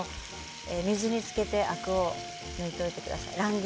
水につけてアクを抜いておいてください。